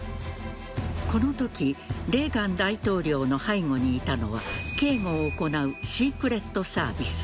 このときレーガン大統領の背後にいたのは警護を行うシークレットサービス。